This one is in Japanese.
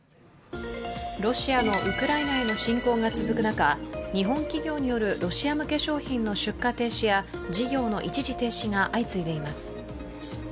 ロシアのウクライナへの侵攻が続く中日本企業によるロシア向け商品の出荷停止や事業の一時停止が相次いでいます。